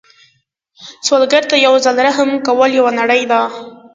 سوالګر ته یو ځل رحم کول یوه نړۍ ده